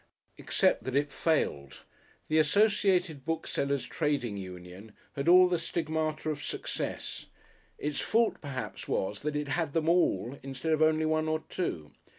Except that it failed, the Associated Booksellers' Trading Union had all the stigmata of success. Its fault, perhaps, was that it had them all instead of only one or two.